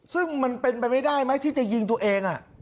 ซึ่งมันเป็นไปไม่ได้ไหมที่จะยิงตัวเอง